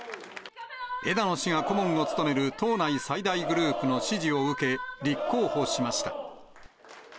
枝野氏が顧問を務める党内最大グループの支持を受け、立候補しました。